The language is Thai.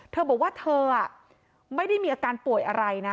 เธอบอกว่าเธอไม่ได้มีอาการป่วยอะไรนะ